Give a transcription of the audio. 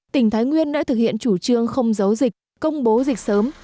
tỉnh thái nguyên đã thực hiện chủ trương không giấu dịch công bố dịch sớm